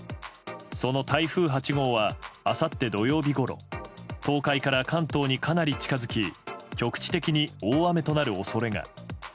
その台風８号はあさって土曜日ごろ東海から関東にかなり近づき局地的に大雨となる恐れが。